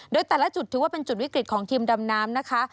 โดยแต่ละจุดถือว่าเป็นจุดวิกฤตของทีมดำน้ำนะคะ